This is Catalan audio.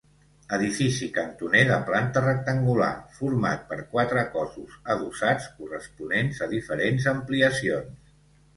Edifici cantoner de planta rectangular, format per quatre cossos adossats, corresponents a diferents ampliacions.